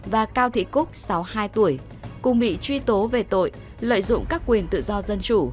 và cao thị cúc sáu mươi hai tuổi cùng bị truy tố về tội lợi dụng các quyền tự do dân chủ